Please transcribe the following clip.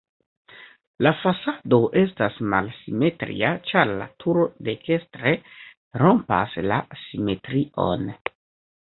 La fasado estas malsimetria, ĉar la turo dekstre rompas la simetrion.